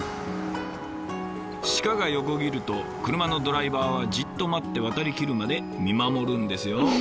鹿が横切ると車のドライバーはじっと待って渡りきるまで見守るんですよ。